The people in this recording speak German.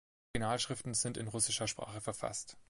Die Original-Schriften sind in russischer Sprache verfasst.